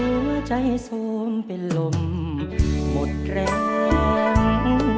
คนรู้ว่าใจโทรมเป็นลมหมดแรง